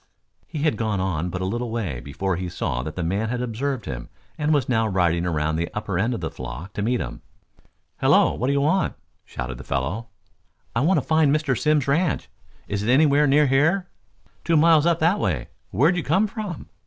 He had gone but a little way before he saw that the man had observed him and was now riding around the upper end of the flock to meet him. "Hello, what do you want?" shouted the fellow. "I want to find Mr. Simms's ranch. Is it anywhere near here?" "Two miles up that way. Where'd you come from?"